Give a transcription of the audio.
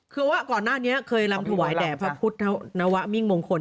คือว่าก่อนหน้านี้เคยรำถวายแด่พระพุทธนวะมิ่งมงคล